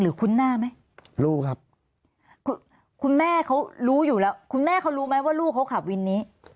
คุ้นหน้าไหมรู้ครับคุณแม่เขารู้อยู่แล้วคุณแม่เขารู้ไหมว่าลูกเขาขับวินนี้